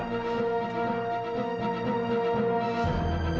kenapa ini udah hasil